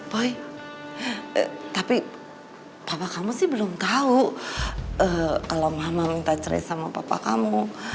boy tapi papa kamu sih belum tahu kalau mama minta cerai sama papa kamu